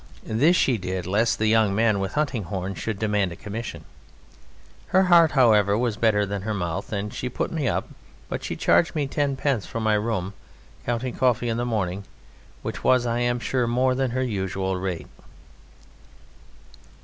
This she did lest the young men with hunting horns should demand a commission. Her heart, however, was better than her mouth, and she put me up, but she charged me tenpence for my room, counting coffee in the morning, which was, I am sure, more than her usual rate.